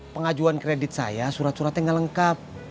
pengajuan kredit saya surat suratnya nggak lengkap